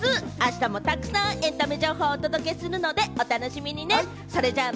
あしたもたくさんエンタメ情報をお届けするのでお楽しみにね！